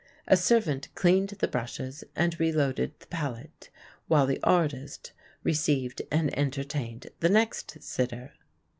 A servant cleaned the brushes and reloaded the palette, while the artist received and entertained the next sitter.